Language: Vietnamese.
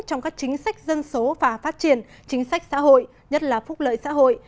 trong các chính sách dân số và phát triển chính sách xã hội nhất là phúc lợi xã hội